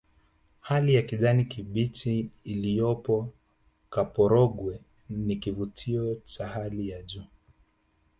hali ya kijani kibichi iliyopo kaporogwe ni kivutio cha hali ya juu